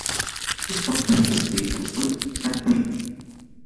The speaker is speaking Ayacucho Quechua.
Isqun distritukuna kanmi.